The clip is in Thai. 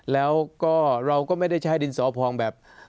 แล้วก็เราก็ไม่ได้ใช้ดินสอพองแบบ